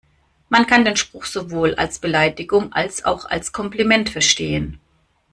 Man kann den Spruch sowohl als Beleidigung als auch als Kompliment verstehen.